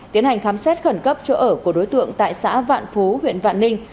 tiến hành khám xét khẩn cấp chỗ ở của đối tượng tại xã vạn phú huyện vạn ninh